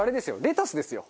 レタスですよ。